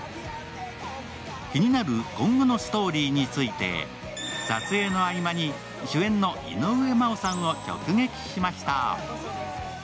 気になる今後のストーリーについて、撮影の合間に主演の井上真央さんを直撃しました。